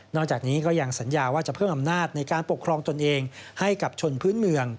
จากนี้ก็ยังสัญญาว่าจะเพิ่มอำนาจในการปกครองตนเองให้กับชนพื้นเมือง